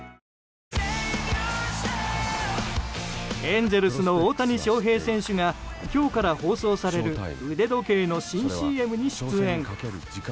エンゼルスの大谷翔平選手が今日から放送される腕時計の新ＣＭに出演。